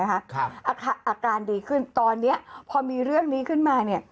อาการดีขึ้นตอนนี้พอมีเรื่องนี้ขึ้นมาเนี่ย